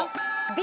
Ｂ。